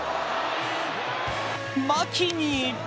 牧に！